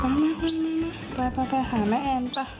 มาไปไปหาแม่แอมป่ะ